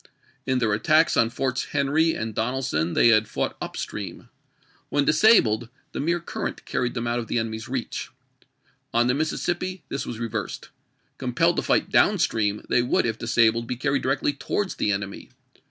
In their attacks on Forts Henry and Donelson they had fought up stream; when disabled, the mere current carried them out of the enemy's reach. On the Mississippi this was reversed. Compelled to fight down stream, they would, if disabled, be carried directly towards the enemy.